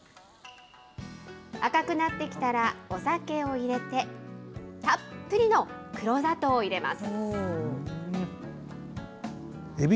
赤くなってきたらお酒を入れて、たっぷりの黒砂糖を入れます。